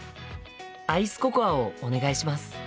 アイスココアをお願いします。